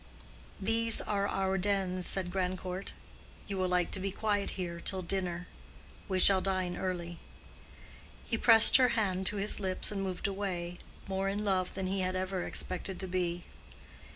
"These are our dens," said Grandcourt. "You will like to be quiet here till dinner. We shall dine early." He pressed her hand to his lips and moved away, more in love than he had ever expected to be.